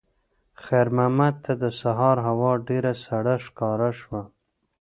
خیر محمد ته د سهار هوا ډېره سړه ښکاره شوه.